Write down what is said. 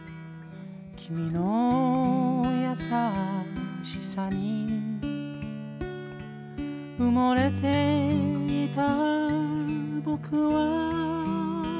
「君のやさしさに」「うもれていたぼくは」